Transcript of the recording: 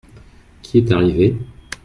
Qui est arrivé ?